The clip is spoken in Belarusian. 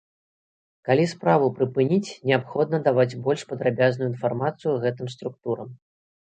Калі справу прыпыніць, неабходна даваць больш падрабязную інфармацыю гэтым структурам.